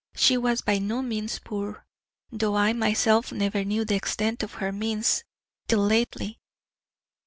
She was by no means poor, though I myself never knew the extent of her means till lately.